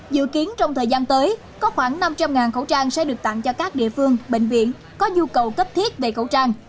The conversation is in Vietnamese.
dự kiến trong thời gian tới có khoảng năm trăm linh khẩu trang sẽ được tặng cho các địa phương bệnh viện có nhu cầu cấp thiết về khẩu trang